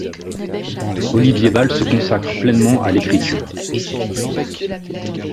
Olivier Bal se consacre pleinement à l'écriture.